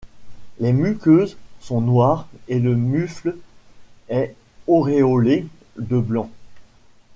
Les muqueuses sont noires et le mufle est auréolé de blanc.